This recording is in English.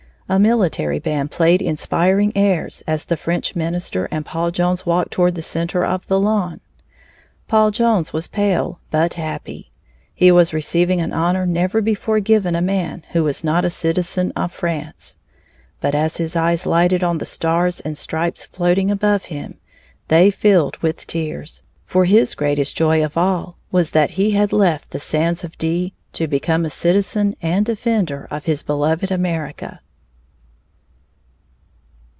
A military band played inspiring airs as the French minister and Paul Jones walked toward the center of the lawn. Paul Jones was pale but happy. He was receiving an honor never before given a man who was not a citizen of France, but as his eyes lighted on the stars and stripes floating above him, they filled with tears, for his greatest joy of all was that he had left the sands of Dee to become a citizen and defender of his beloved America.